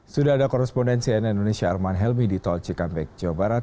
sudah ada korespondensi nn indonesia arman helmi di tol cikampek jawa barat